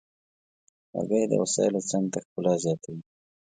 لرګی د وسایلو څنګ ته ښکلا زیاتوي.